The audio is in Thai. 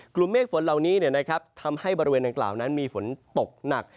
กลุ่มเมฆฝนเหล่านี้ทำให้บริเวณดังกล่าวนั้นมีฝนตกหนัก